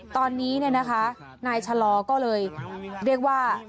ตอนนี้เนี่ยนะคะนายชะลอก็เลยเรียกว่า